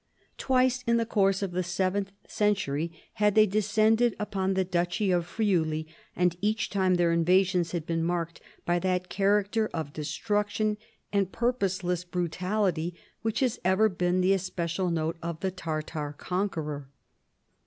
Twice in the course of the seventh century had they descended upon the duchy of Friuli, and each time their invasions had been marked by that character of destruction and purpose less brutality \vhich has ever been the especial note of the Tai*tar conqueror.